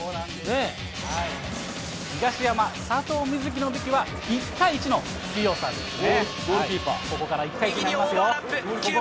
東山、佐藤瑞起の武器は、１対１の強さですね。